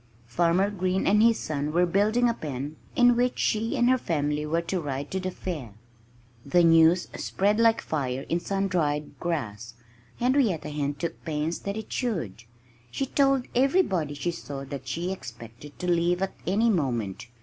Farmer Green and his son were building a pen in which she and her family were to ride to the fair! The news spread like fire in sun dried grass. Henrietta Hen took pains that it should. She told everybody she saw that she expected to leave at any moment.